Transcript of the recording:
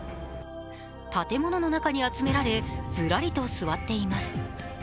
建物の中に集められずらりと座っています。